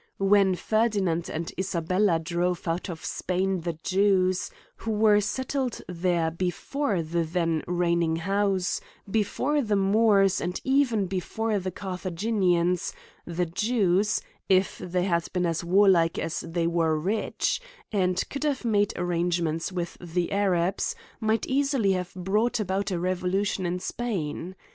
When Ferdinand and Isabella drove out of Spain the Jews, who were set tled there before the then reigning house, before the Moors, and even before the Carthaginians, the Jews, if they had been as warlike as they were rich, and could have made arrangements with the Arabs, might easily have brought about a revolu tion in Spain.